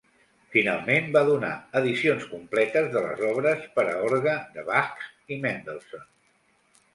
Finalment va donar edicions completes de les obres per a orgue de Bach i Mendelssohn.